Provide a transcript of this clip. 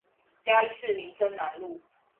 嘉義市民生南路